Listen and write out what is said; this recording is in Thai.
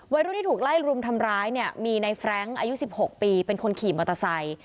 รุ่นที่ถูกไล่รุมทำร้ายเนี่ยมีในแฟรงค์อายุ๑๖ปีเป็นคนขี่มอเตอร์ไซค์